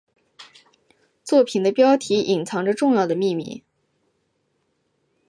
作品的标题隐藏着重要的秘密。